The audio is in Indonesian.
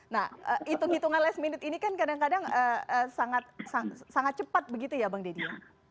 nah hitung hitungan last minute ini kan kadang kadang sangat cepat begitu ya bang deddy